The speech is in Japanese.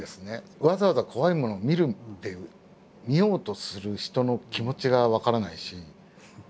わざわざ怖いものを見るっていう見ようとする人の気持ちが分からないし。